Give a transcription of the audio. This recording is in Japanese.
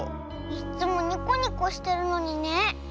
いっつもニコニコしてるのにね。